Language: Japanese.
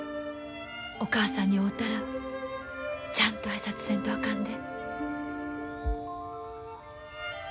お母さんに会うたらちゃんと挨拶せんとあかんで。